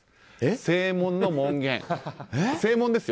正門の門限、正門ですよ。